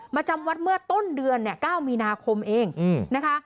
จำวัดเมื่อต้นเดือนเนี่ย๙มีนาคมเองนะคะ